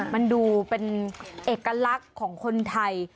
มันดูเป็นเอกลักษณ์ของคนไทย